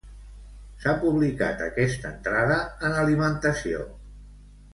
S'ha publicat aquesta entrada en Alimentació.